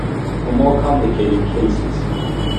For more complicated cases.